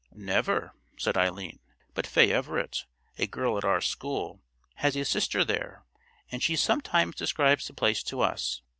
"Never," said Eileen; "but Fay Everett, a girl at our school, has a sister there, and she sometimes describes the place to us.